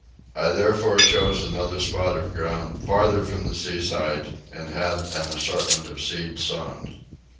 I therefore chose another spot of ground farther from the seaside and had an assortment of seeds sown.